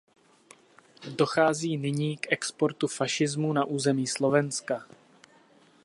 Dochází nyní k exportu fašismu na území Slovenska.